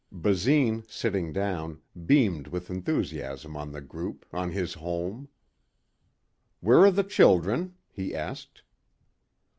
Basine, sitting down, beamed with enthusiasm on the group, on his home. "Where are the children?" he asked.